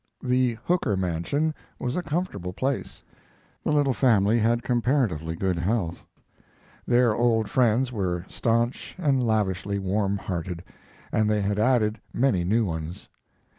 The Hooker mansion was a comfortable place. The little family had comparatively good health. Their old friends were stanch and lavishly warm hearted, and they had added many new ones.